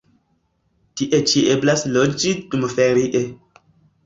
Tie ĉi eblas loĝi dumferie.